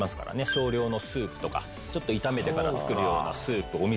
少量のスープとかちょっと炒めてから作るようなスープおみそ汁。